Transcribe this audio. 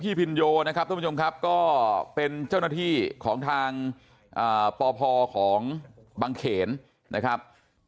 พินโยนะครับทุกผู้ชมครับก็เป็นเจ้าหน้าที่ของทางปพของบังเขนนะครับ